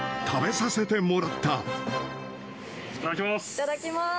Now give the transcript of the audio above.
いただきます。